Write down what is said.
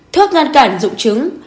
thuốc ngăn cản dụng trứng